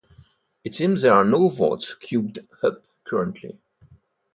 It seems there are no votes queued up currently.